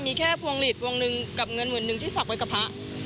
มีแค่พวงหลีดวงหนึ่งกับเงินหมื่นหนึ่งที่ฝากไว้กับพระ